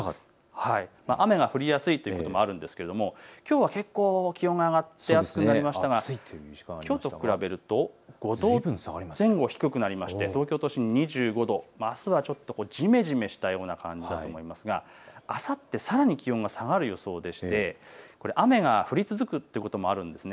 雨が降りやすいというのもあるんですが、きょうは結構気温が上がって暑くなりましたが、きょうと比べると５度前後低くなりまして東京都心２５度、あすはちょっとじめじめしたような感じだと思いますがあさって、さらに気温が下がる予想でして雨が降り続くということもあるんですね。